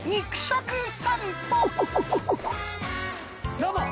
どうも！